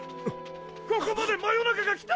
ここまで魔夜中が来た！